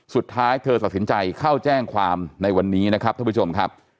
สุดท้ายเธอตัดสินใจเข้าแจ้งความในวันนี้นะครับท่านผู้ชมครับ